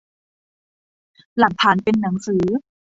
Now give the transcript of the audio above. หลักฐานเป็นหนังสือ